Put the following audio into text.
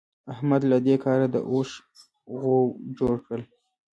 احمد له دې کاره د اوښ غوو جوړ کړل.